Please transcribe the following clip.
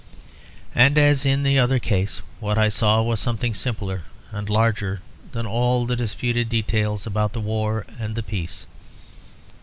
And as in the other case, what I saw was something simpler and larger than all the disputed details about the war and the peace.